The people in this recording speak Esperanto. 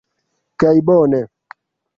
Kaj bone!